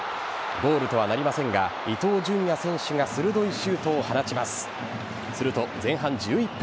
ゴールとはなりませんが伊東純也選手が鋭いシュートを放ちます。